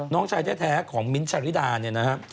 น้องชายแท้ของมิ้นท์ชาลิดาเนี่ยนะครับ